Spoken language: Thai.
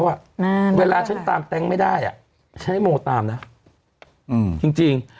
เวลาฉันตามเต็งไม่ได้อ่ะฉันให้โมตามนะอืมจริงจริง